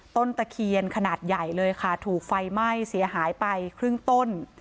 ตะเคียนขนาดใหญ่เลยค่ะถูกไฟไหม้เสียหายไปครึ่งต้น